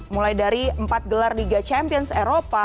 mulai dari empat gelar liga champions eropa